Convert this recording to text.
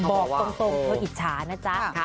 บอกตรงเธออิจฉานะจ๊ะ